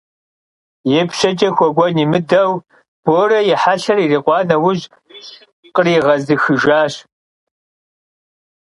Yipşeç'e xuek'uen yimıdeu, Bore yi helher yirikhua neuj, khriğezıxıjjaş.